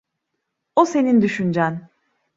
O senin düşüncen.